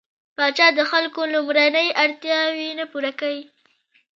پاچا د خلکو لومړنۍ اړتياوې نه پوره کوي.